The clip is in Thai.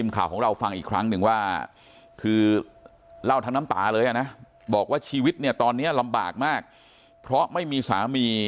คือเล่าทั้งน้ำตาเลยนะบอกว่าชีวิตเนี่ยตอนนี้ลำบากมากเพราะไม่มีสามี